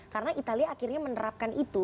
karena italia akhirnya menerapkan itu